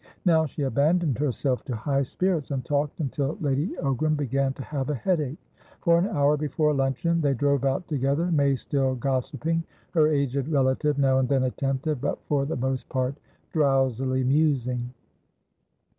Now she abandoned herself to high spirits, and talked until Lady Ogram began to have a headache. For an hour before luncheon they drove out together, May still gossiping, her aged relative now and then attentive, but for the most part drowsily musing.